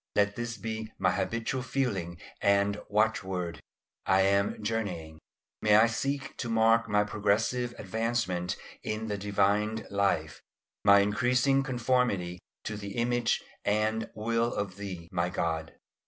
Let this be my habitual feeling and watchword, "I am journeying." May I seek to mark my progressive advancement in the divine life, my increasing conformity to the image and will of Thee, my God.